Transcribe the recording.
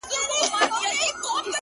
زما هغـه ســـترگو ته ودريـــږي.